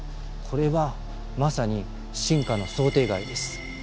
これはまさに進化の想定外です。